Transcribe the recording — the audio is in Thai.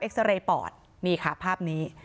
ซาเรย์ปอดนี่ค่ะภาพนี้